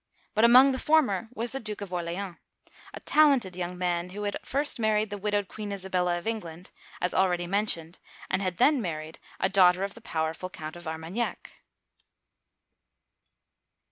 But among the former was the Duke of Orleans, a talented young man, who had first married the widowed Queen Isabella of England, as already mentioned, and had then married a daughter of the pow erful Count of Armagnac.